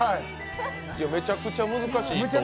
めちゃくちゃ難しい。